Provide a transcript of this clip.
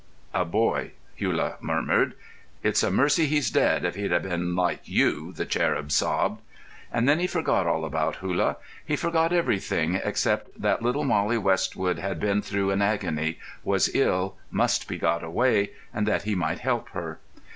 "A boy," Hullah murmured. "It's a mercy he's dead, if he'd ha' been like you," the cherub sobbed. And then he forgot all about Hullah. He forgot everything except that little Mollie Westwood had been through an agony, was ill, must be got away, and that he might help her.